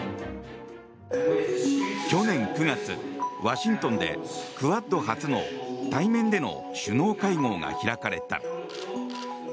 去年９月、ワシントンでクアッド初の対面での首脳会合が開かれた。